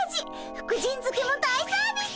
福神づけも大サービス。